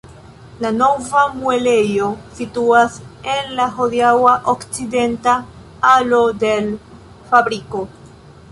La nova muelejo situas en la hodiaŭa okcidenta alo de l' fabriko.